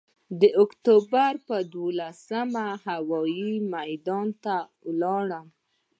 د اکتوبر پر اوولسمه هوايي میدان ته ولاړم.